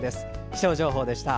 気象情報でした。